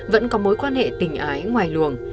vẫn có mối quan hệ tình ái ngoài luồng